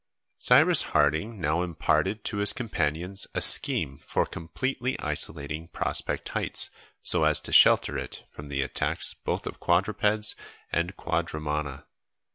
Cyrus Harding now imparted to his companions a scheme for completely isolating Prospect Heights so as to shelter it from the attacks both of quadrupeds and quadrumana.